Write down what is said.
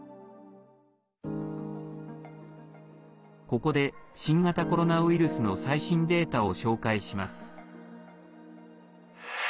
ここで新型コロナウイルスの最新データを紹介します。